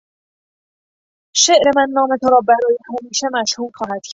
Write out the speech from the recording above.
شعر من نام تو را برای همیشه مشهور خواهد کرد.